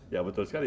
ya betul sekali